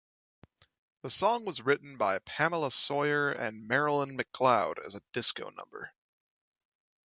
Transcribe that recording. The song was written by Pamela Sawyer and Marilyn McLeod as a disco number.